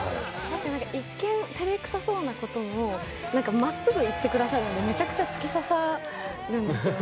一見、照れくさそうなこともまっすぐいってくださるんでめちゃくちゃ突き刺さるんですよね。